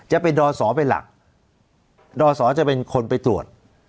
จะเป็นดอสอเป็นหลักดอสอจะเป็นคนไปตรวจ